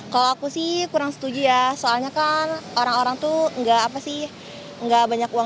kalau aku sih kurang setuju ya soalnya kan orang orang itu enggak apa sih